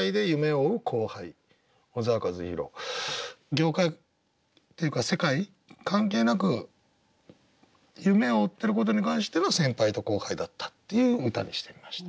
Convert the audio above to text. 業界っていうか世界関係なく夢を追ってることに関しては先輩と後輩だったっていう歌にしてみました。